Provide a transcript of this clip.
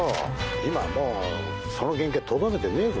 今もうその原型とどめてねえぞ。